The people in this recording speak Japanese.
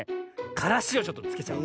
からしをちょっとつけちゃう。